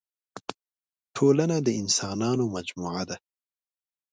ټولنه د اسانانو مجموعه ده.